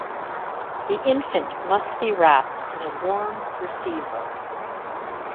The infant must be wrapped in a warm receiver.